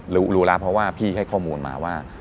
รู้แล้วเพราะว่าพี่ให้ข้อมูลมาว่า